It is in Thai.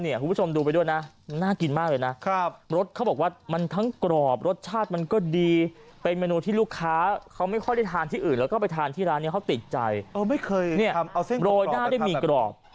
นี่โรยหน้าได้หมี่กรอบ